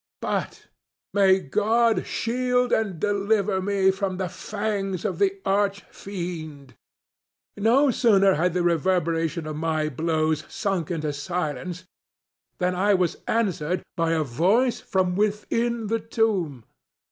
But may God shield and deliver me from the fangs of the Arch Fiend! No sooner had the reverberation of my blows sunk into silence, than I was answered by a voice from within the tomb!